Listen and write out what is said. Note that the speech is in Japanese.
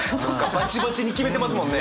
バチバチに決めてますもんね。